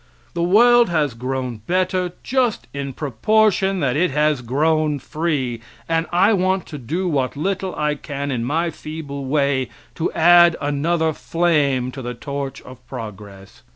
The world has grown better just in the proportion that it has grown free, and I want to do what little I can in my feeble way to add another flame to the torch of progress.